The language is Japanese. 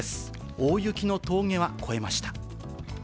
大雪の峠は越えました。